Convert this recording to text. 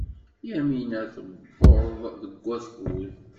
Yamina tuweḍ deg wakud.